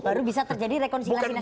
baru bisa terjadi rekonsiliasi